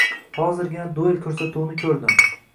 Hozirgina “Duel” koʻrsatuvini koʻrdim.